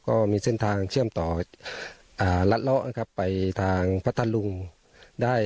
ก็มีเส้นทางเชื่อมต่ออ่ารัดเลาะนะครับไปทางพัทธลุงได้